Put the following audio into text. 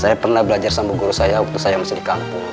saya pernah belajar sama guru saya waktu saya masih di kampung